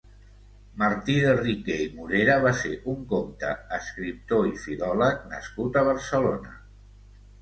Martí de Riquer i Morera va ser un comte, escriptor i filòleg nascut a Barcelona.